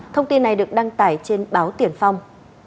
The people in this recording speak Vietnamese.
thông tin này được đăng tải trên báo tiền phong